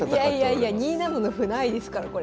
いやいやいや２七の歩ないですからこれ。